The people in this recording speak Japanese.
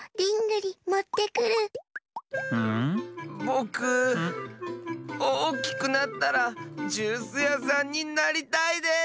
ぼくおおきくなったらジュースやさんになりたいです！